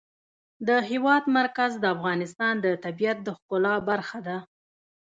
د هېواد مرکز د افغانستان د طبیعت د ښکلا برخه ده.